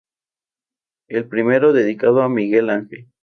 El primero dedicado a Miguel Ángel.